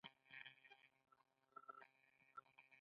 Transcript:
آیا د توکو لیږد اسانه نشو؟